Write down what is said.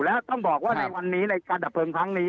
แล้วต้องบอกว่าในวันนี้ในการดับเพลิงครั้งนี้